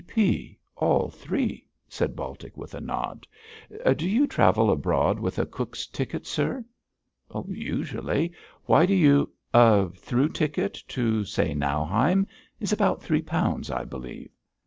'G. P. all three,' said Baltic, with a nod, 'Do you travel abroad with a Cook's ticket, sir?' 'Usually! Why do you ' 'A through ticket to say Nauheim is about three pounds, I believe?'